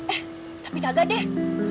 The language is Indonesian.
eh tapi kagak deh